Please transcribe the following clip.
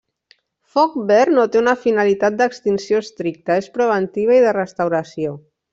Foc Verd no té una finalitat d’extinció estricta, és preventiva i de restauració.